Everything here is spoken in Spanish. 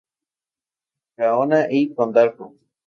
Gaona y Condarco.